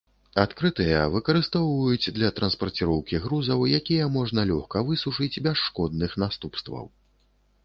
Адкрытыя выкарыстоўваюць для транспарціроўкі грузаў, якія можна лёгка высушыць без шкодных наступстваў.